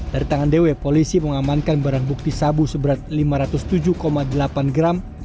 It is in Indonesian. dari tangan dw polisi mengamankan barang bukti sabu seberat lima ratus tujuh delapan gram